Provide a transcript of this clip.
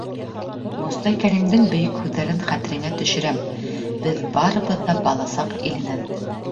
Мостай Кәримдең бөйөк һүҙҙәрен хәтереңә төшөрәм: беҙ барыбыҙ ҙа бала саҡ иленән.